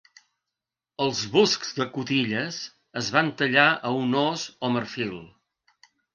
Els busks de cotilles es van tallar a un ós o marfil.